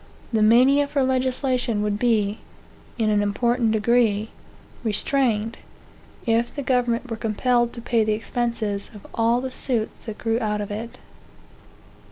The mania for legislation would be, in an important degree, restrained, if the government were compelled to pay the expenses of all the suits that grew out of it.